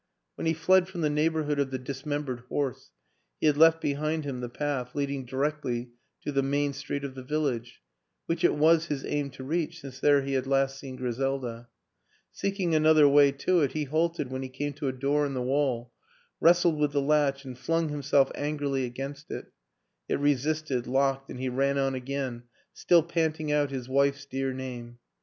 When he fled from the neighborhood of the dis membered horse he had left behind him the path leading directly to the main street of the village which it was his aim to reach since there he had last seen Griselda. Seeking another way to it, he halted when he came to a door in the wall, wrestled with the latch and flung himself angrily against it ; it resisted, locked, and he ran on again, still panting out his wife's dear name.